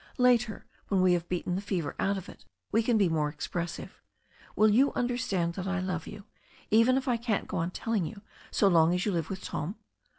Later, when we have beaten the fever out of it, we can be more ex pressive. Will you understand that I love you, even if I can't go on telling you so as long as you live with Tom?